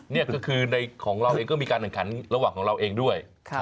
นี่ก็คือในของเราเองก็มีการแข่งขันระหว่างของเราเองด้วย